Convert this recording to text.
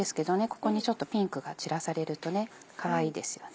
ここにちょっとピンクが散らされるとかわいいですよね。